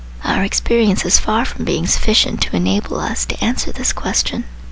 Our experience is far from being sufficient to enable us to answer this question.